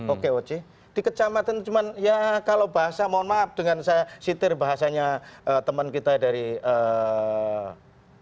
oke oke di kecamatan cuma ya kalau bahasa mohon maaf dengan saya sitir bahasanya teman kita dari eee